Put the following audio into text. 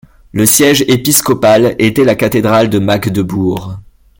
Le siège épiscopal était la cathédrale de Magdebourg.